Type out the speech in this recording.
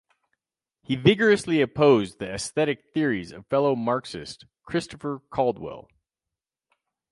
He vigorously opposed the aesthetic theories of fellow Marxist Christopher Caudwell.